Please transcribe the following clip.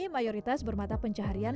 mayoritas bermata pencaharian